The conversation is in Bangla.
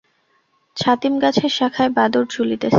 ছাতিম গাছের শাখায় বাদুড় ঝুলিতেছে।